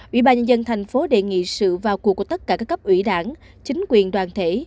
ủy ban nhân dân thành phố đề nghị sự vào cuộc của tất cả các cấp ủy đảng chính quyền đoàn thể